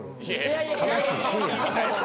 悲しいシーンやな。